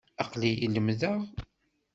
Aql-iyi la lemmdeɣ.